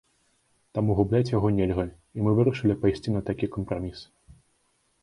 Таму губляць яго нельга, і мы вырашылі пайсці на такі кампраміс.